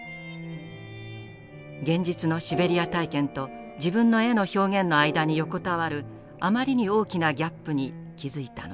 現実のシベリア体験と自分の絵の表現の間に横たわるあまりに大きなギャップに気付いたのです。